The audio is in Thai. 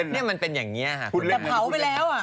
แต่เผาไปแล้ว